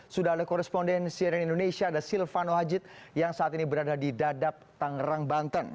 sudah ada korespondensi dari indonesia ada silvano hajid yang saat ini berada di dadap tangerang banten